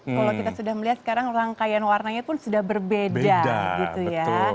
kalau kita sudah melihat sekarang rangkaian warnanya pun sudah berbeda gitu ya